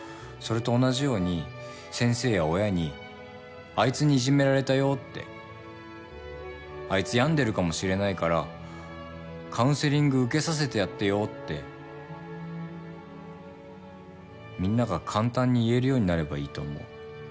それと同じように先生や親に「あいつにいじめられたよ」って「あいつ病んでるかもしれないからカウンセリング受けさせてやってよ」ってみんなが簡単に言えるようになればいいと思う。